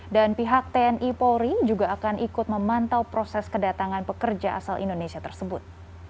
dan pihak tni polri juga akan ikut memantau proses kedatangan pekerja asal indonesia tersebut